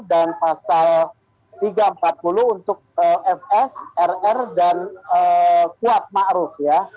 dan pasal tiga ratus empat puluh untuk fs rr dan kuat ma'ruf